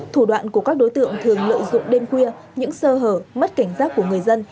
thủ đoạn của các đối tượng thường lợi dụng đêm khuya những sơ hở mất cảnh giác của người dân